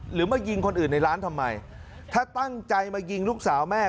หรือมายิงคนอื่นในร้านทำไมถ้าตั้งใจมายิงลูกสาวแม่